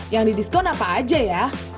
yang didiskon apa aja ya